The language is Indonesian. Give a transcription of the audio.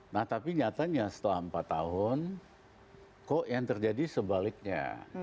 nah tapi nyatanya setelah empat tahun kok yang terjadi sebaliknya